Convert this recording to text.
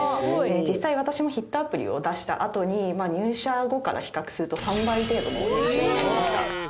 実際私もヒットアプリを出したあとに入社後から比較すると３倍程度の年収になりました。